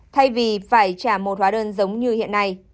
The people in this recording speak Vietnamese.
thay vì phải trả một hóa đơn giống như hiện nay